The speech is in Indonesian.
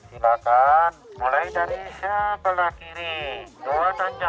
ternyata kita bisa melakukan ini dengan cara yang lebih mudah